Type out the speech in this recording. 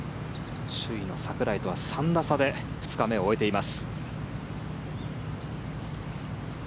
首位の櫻井とは３打差で２日目を終えています。